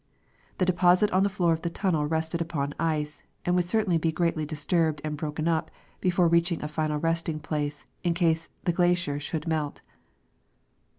The deposit on the floor of the tunnel rested upon ice, and would certainly be greatly disturbed and broken up before reaching a final resting place in case the glacier should melt.